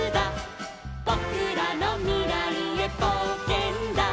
「ぼくらのみらいへぼうけんだ」